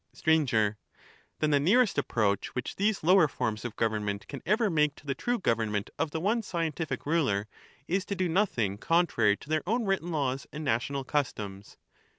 Sir, Then the nearest approach which these lower forms of government can ever make to the true government of the 301 one scientific ruler, is to do nothing contrary to their own written laws and national customs.